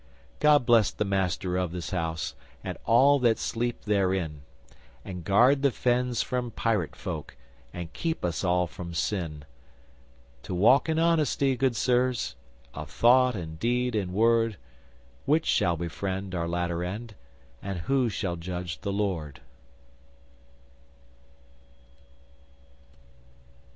God bless the master of this house, And all that sleep therein! And guard the fens from pirate folk, And keep us all from sin, To walk in honesty, good sirs, Of thought and deed and word! Which shall befriend our latter end And who shall judge the Lord?